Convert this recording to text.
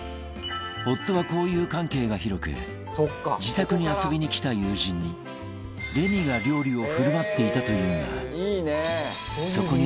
夫は交友関係が広く自宅に遊びに来た友人にレミが料理を振る舞っていたというが